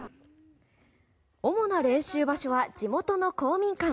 主な練習場所は地元の公民館。